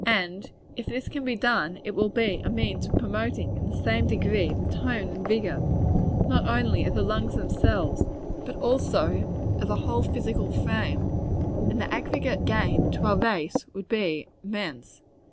And if this can be done, it will be a means of promoting, in the same degree, the tone and vigor, not only of the lungs themselves, but also of the whole physical frame; and the aggregate gain to our race would be immense.